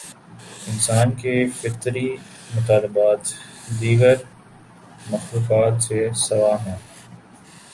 انسان کے فطری مطالبات، دیگر مخلوقات سے سوا ہیں۔